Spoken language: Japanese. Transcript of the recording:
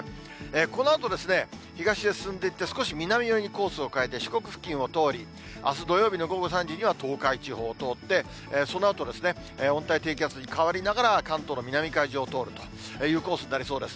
このあとですね、東へ進んでいって、少し南寄りにコースを変えて、四国付近を通り、あす土曜日の午後３時には東海地方を通って、そのあとですね、温帯低気圧に変わりながら関東の南海上を通るというコースになりそうです。